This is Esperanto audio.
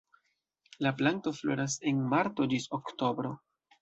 La planto floras de marto ĝis oktobro.